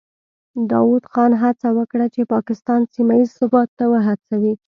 داود خان هڅه وکړه چې پاکستان سیمه ییز ثبات ته وهڅوي.